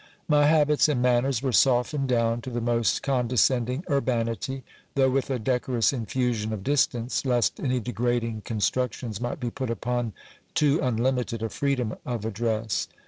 My habits and manners were softened down to the most condescending urbanity, though with a decorous infusion of distance, lest any degrading constructions might be put upon too unlimited a freedom of address.